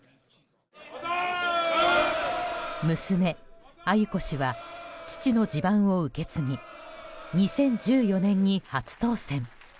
娘・鮎子氏は父の地盤を受け継ぎ２０１４年に初当選。